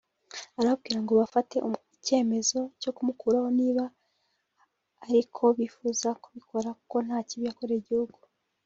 arababwira ngo bafate icyemezo cyo kumukuraho niba ari ko bifuza kubikora kuko nta kibi yakoreye igihugu